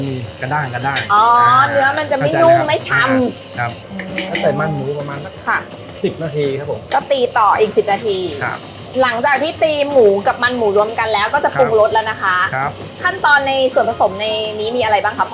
ปรุงรสแล้วนะคะครับขั้นตอนในส่วนผสมในนี้มีอะไรบ้างค่ะพ่อ